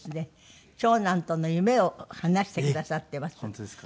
本当ですか？